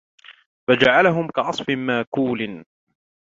فَجَعَلَهُمْ كَعَصْفٍ مَّأْكُولٍ